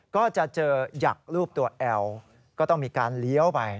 ก็จะเจอหยักรูปตัวแอลก็ต้องมีการเลี้ยวไป